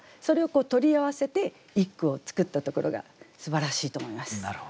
それをこう取り合わせて一句を作ったところがすばらしいと思います。